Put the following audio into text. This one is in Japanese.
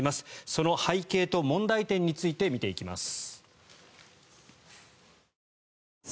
その背景と問題点について見ていきます。